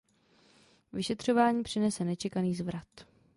Vyšetřování přinese nečekaný zvrat.